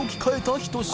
ひと品